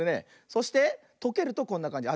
そしてとけるとこんなかんじ。